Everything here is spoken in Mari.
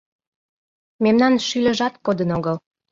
Мемнан шӱльыжат кодын огыл.